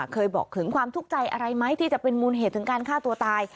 เคยบอกถึงความทุกข์ใจอะไรไหมที่จะเป็นมูลเหตุถึงการฆ่าตัวตาย